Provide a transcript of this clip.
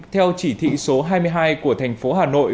theo chỉ thị số hai mươi hai của thành phố hà nội